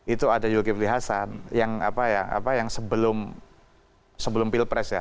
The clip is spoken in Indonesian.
itu ada zulkifli hasan yang sebelum pilpres ya